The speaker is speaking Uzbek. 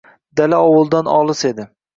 Dala ovuldan olis edi